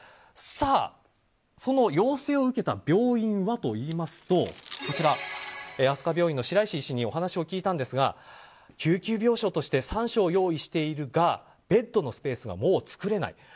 さあ、その要請を受けた病院はといいますとあそか病院の白石医師にお話を聞いたんですが救急病床として３床用意しているがベッドのスペースがもう作れない。